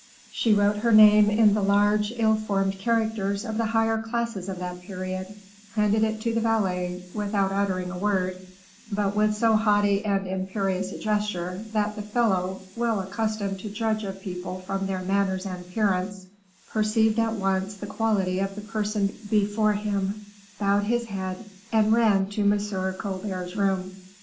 She wrote her name in the large, ill formed characters of the higher classes of that period, handed it to the valet, without uttering a word, but with so haughty and imperious a gesture, that the fellow, well accustomed to judge of people from their manners and appearance, perceived at once the quality of the person before him, bowed his head, and ran to M. Colbert's room.